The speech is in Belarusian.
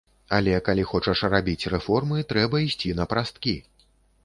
Але, калі хочаш рабіць рэформы, трэба ісці напрасткі.